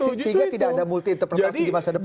sehingga tidak ada multi interpretasi di masa depan